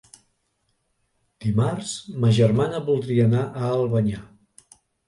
Dimarts ma germana voldria anar a Albanyà.